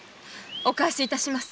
お返しします。